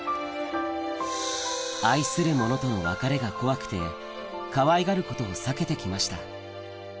愛するものとの別れが怖くてかわいがることを避けて来ました